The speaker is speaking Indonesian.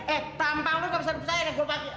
eh tampang lu gak bisa percaya kan